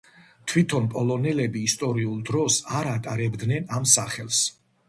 თვითონ პოლონელები ისტორიულ დროს არ ატარებდნენ ამ სახელს.